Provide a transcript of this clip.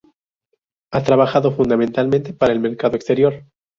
Ha trabajado fundamentalmente para el mercado exterior.